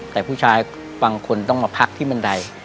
แต่ผู้ชายบางคนต้องมาพักที่บันได